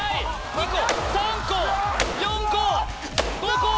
２個３個４個５個！